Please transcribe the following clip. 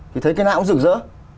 thì thấy cái nào cũng rửa rỡ